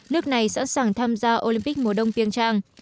nước này sẵn sàng tham gia olympic mùa đông pyeongchang